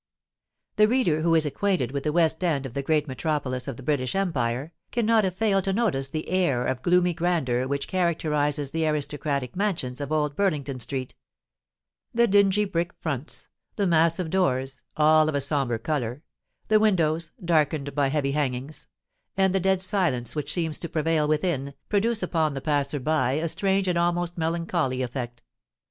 The reader who is acquainted with the West End of the great metropolis of the British Empire, cannot have failed to notice the air of gloomy grandeur which characterises the aristocratic mansions of Old Burlington Street. The dingy brick fronts—the massive doors, all of a sombre colour—the windows, darkened by heavy hangings—and the dead silence which seems to prevail within, produce upon the passer by a strange and almost melancholy effect.